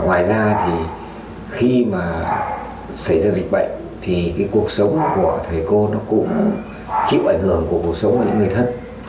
ngoài ra thì khi mà xảy ra dịch bệnh thì cái cuộc sống của thầy cô nó cũng chịu ảnh hưởng của cuộc sống của những người thân